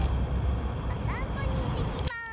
おさんぽにいってきます！